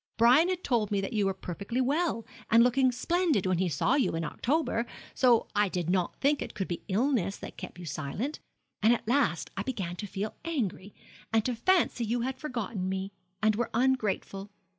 Brian had told me that you were perfectly well, and looking splendid when he saw you in October, so I did not think it could be illness that kept you silent; and at last I began to feel angry, and to fancy you had forgotten me, and were ungrateful.